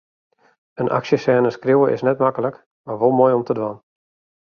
In aksjesêne skriuwe is net maklik, mar wol moai om te dwaan.